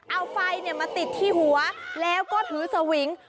เอาไฟมาติดที่หัวแล้วก็ถือสวิง